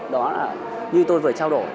đó là như tôi vừa trao đổi